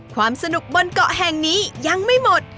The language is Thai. ความสนุกบนเกาะแห่งนี้ยังไม่หมด